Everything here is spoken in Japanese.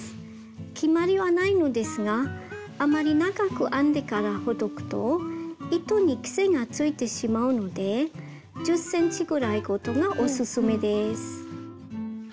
決まりはないのですがあまり長く編んでからほどくと糸に癖がついてしまうので１０ｃｍぐらいごとがオススメです。